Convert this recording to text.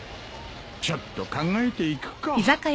ちょっと考えていくか。